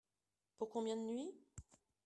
Pour combien de nuits ?